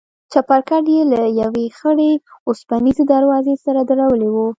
چپرکټ يې له يوې خړې وسپنيزې دروازې سره درولى و.